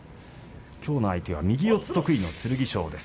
きょうの相手は右四つ得意の剣翔です。